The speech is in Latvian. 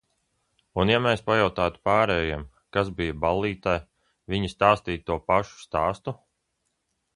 Un ja mēs pajautātu pārējiem, kas bija ballītē, viņi stāstītu to pašu stāstu?